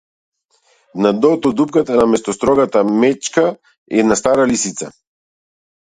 На дното од дупката, наместо строгата мечка - една стара лисица.